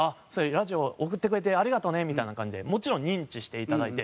「ラジオ送ってくれてありがとうね」みたいな感じでもちろん認知していただいて。